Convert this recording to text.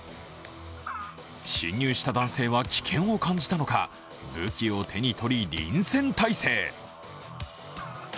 侵入した男性は危険を感じたのか、武器を手に取り、臨戦態勢。